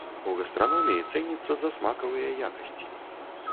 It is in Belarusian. У гастраноміі цэніцца за смакавыя якасці.